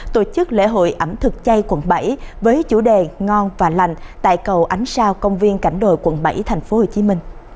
tổ chức lễ hội ẩm thực chay quận bảy với chủ đề ngon và lành tại cầu ánh sao công viên cảnh đồi quận bảy tp hcm